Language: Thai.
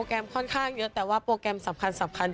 โปรแกรมค่อนข้างเยอะแต่ว่าโปรแกรมสำคัญจริงมันก็มีอยู่แค่ไม่กี่แมท